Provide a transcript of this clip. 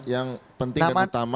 yang penting dan utama